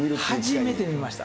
初めて見ました。